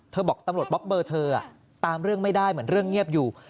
บอกตำรวจบล็อกเบอร์เธอตามเรื่องไม่ได้เหมือนเรื่องเงียบอยู่